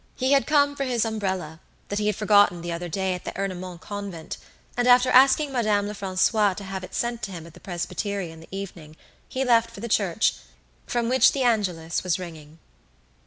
He had come for his umbrella, that he had forgotten the other day at the Ernemont convent, and after asking Madame Lefrancois to have it sent to him at the presbytery in the evening, he left for the church, from which the Angelus was ringing.